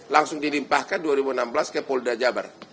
langsung dilimpahkan dua ribu enam belas ke polda jabar